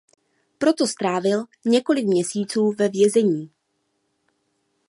Proto strávil několik měsíců ve vězení.